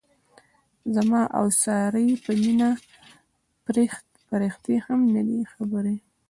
زما او د سارې په مینه پریښتې هم نه دي خبرې.